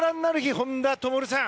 本多灯さん